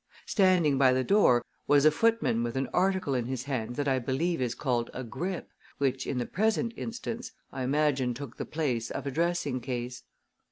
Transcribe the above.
Standing by the door was a footman with an article in his hand that I believe is called a grip, which, in the present instance, I imagine took the place of a dressing case.